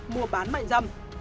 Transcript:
mùa bán mạnh rầm